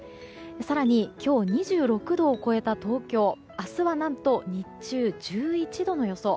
更に、今日２６度を超えた東京明日は何と日中１１度の予想。